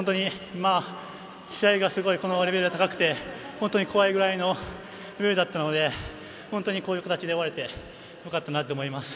試合のレベルが高くて本当に怖いくらいだったのでこういう形で終われてよかったなと思います。